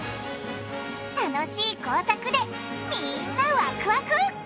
楽しい工作でみんなワクワク！